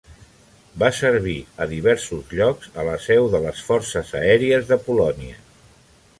Va servir a diversos llocs a la seu de les Forces Aèries de Polònia.